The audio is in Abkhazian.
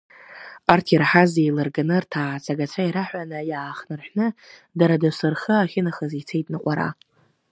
Арҭ ираҳаз еилырганы рҭацаагацәа ираҳәаны иаахнырҳәны, дара дасу рхы ахьынахаз ицеит ныҟәара.